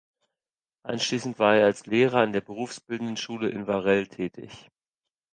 Anschließend war er als Lehrer an der Berufsbildenden Schule in Varel tätig.